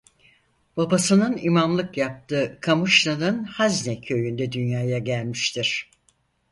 Babasının İmamlık yaptığı Kamışlı'nın hazne köyünde dünyaya gelmiştir.